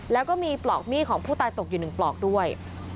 แล้วก็มีปลอกมีดของผู้ตายตกอยู่๑ปลอกด้วย